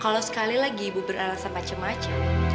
kalau sekali lagi ibu beralasan macam macam